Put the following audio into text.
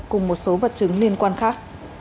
cùng một số vật chứng liên quan khác